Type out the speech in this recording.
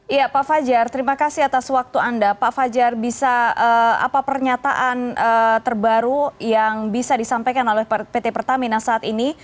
iya pak fajar terima kasih atas waktu anda pak fajar bisa apa pernyataan terbaru yang bisa disampaikan oleh pt pertamina saat ini